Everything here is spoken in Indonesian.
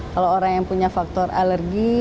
kalau orang yang punya faktor alergi